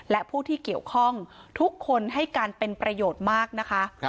และผู้ที่เกี่ยวข้องทุกคนให้การเป็นประโยชน์มากนะคะ